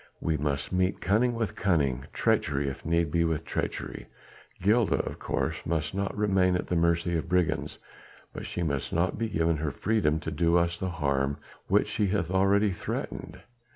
We must meet cunning with cunning, treachery if need be with treachery. Gilda of course must not remain at the mercy of brigands, but she must not be given her freedom to do us the harm which she hath already threatened.